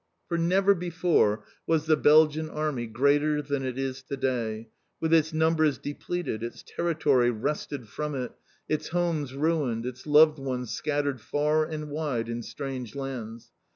For never before was the Belgian Army greater than it is to day, with its numbers depleted, its territory wrested from it, its homes ruined, its loved ones scattered far and wide in strange lands.